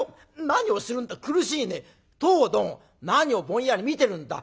何をするんだ苦しいね！とおどん何をぼんやり見てるんだ。